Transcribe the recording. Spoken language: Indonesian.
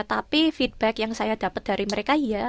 tapi feedback yang saya dapat dari mereka ya